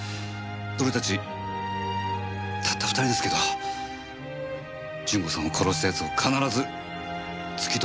俺たちたった２人ですけど順子さんを殺した奴を必ず突き止めてみせます。